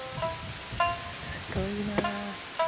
すごいな。